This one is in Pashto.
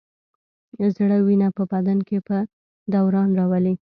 زړه وینه په بدن کې په دوران راولي.